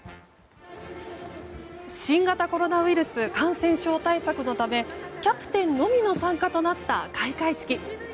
新型コロナウイルス感染症対策のためキャプテンのみの参加となった開会式。